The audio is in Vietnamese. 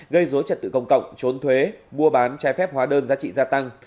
gây dối trật tự công cộng trốn thuế mua bán trái phép hóa đơn giá trị gia tăng